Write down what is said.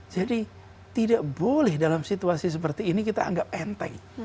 jadi tidak boleh dalam situasi seperti ini kita anggap enteng